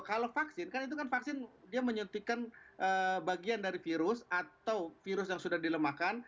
kalau vaksin kan itu kan vaksin dia menyuntikkan bagian dari virus atau virus yang sudah dilemahkan